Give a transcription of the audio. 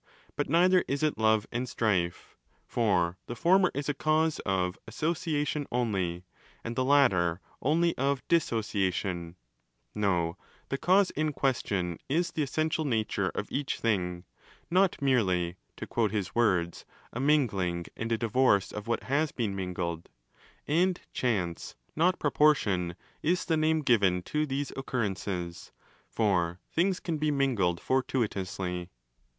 But neither is it Love and Strife: for the former is a cause of 'association' only, and the latter only of 'dissociation', No: the cause in question is the essential nature of each thing—not merely (to quote his words) 'a mingling and 15 a divorce of what has been mingled'.t And chance, not proportion, 'is the name given to these occurrences':? for things can be ' mingled' fortuitously.